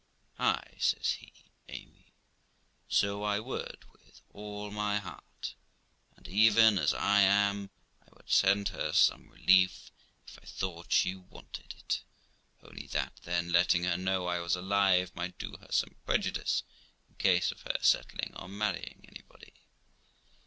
'Ay', says he, 'Amy, so I would with all my heart; and even as I am, I would send her some relief, if I thought she wanted it, only that then letting her know I was alive might do her some prejudice, in case of her settling, or marrying anybody.'